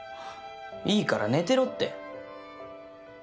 いいから寝てろって。